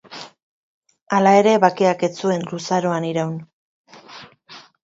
Hala ere, bakeak ez zuen luzaroan iraun.